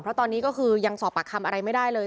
เพราะตอนนี้ก็คือยังสอบปากคำอะไรไม่ได้เลย